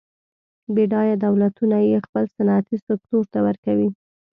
بډایه دولتونه یې خپل صنعتي سکتور ته ورکوي.